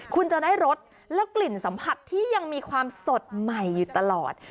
คุณจะได้รสแล้วกลิ่นสัมผัสที่ยังมีความสดใหม่อยู่ตลอด